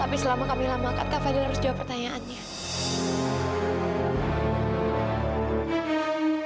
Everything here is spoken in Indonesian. tapi selama kamila makan kak fadil harus jawab pertanyaannya